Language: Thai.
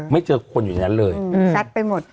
ไม่เจอคนอยู่ในนั้นเลยซัดไปหมด